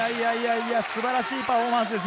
素晴らしいパフォーマンスです。